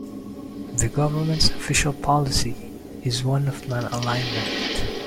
The government's official policy is one of nonalignment.